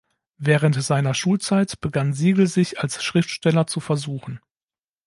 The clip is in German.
Während seiner Schulzeit begann Siegel sich als Schriftsteller zu versuchen.